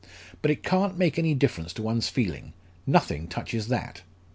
But it can't make any difference to one's feeling: nothing touches that."